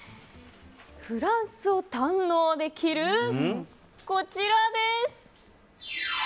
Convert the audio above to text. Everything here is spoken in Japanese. フランス堪能できるこちらです！